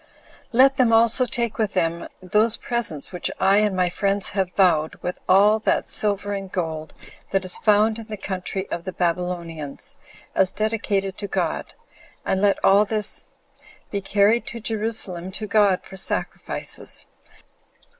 Let them also take with them those presents which I and my friends have vowed, with all that silver and gold that is found in the country of the Babylonians, as dedicated to God, and let all this be carried to Jerusalem to God for sacrifices.